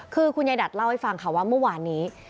คือคุณยายดัดเล่าให้ฟังค่ะว่าเมื่อวานนี้